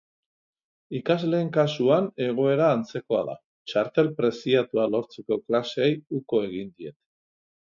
Ikasleen kasuan egoera antzekoa da, txartel preziatua lortzeko klaseei uko egin diete.